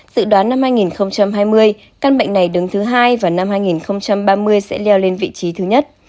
dự đoán năm hai nghìn hai mươi căn bệnh này đứng thứ hai vào năm hai nghìn ba mươi sẽ leo lên vị trí thứ nhất